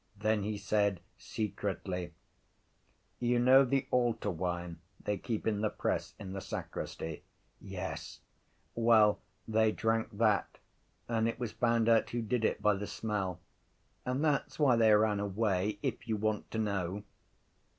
Then he said secretly: —You know the altar wine they keep in the press in the sacristy? —Yes. —Well, they drank that and it was found out who did it by the smell. And that’s why they ran away, if you want to know.